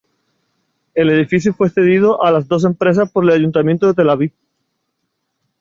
El edificio fue cedido a las dos empresas por el ayuntamiento de Tel Aviv.